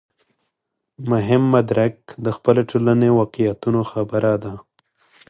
مهم مدرک د خپلې ټولنې واقعیتونو خبره ده.